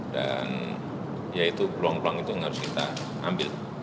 dan yaitu peluang peluang itu yang harus kita ambil